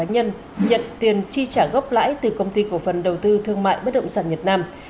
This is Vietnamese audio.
nhận tiền chi trả gốc lãi từ công ty cổ phần đầu tư thương mại bất động sản nhật nam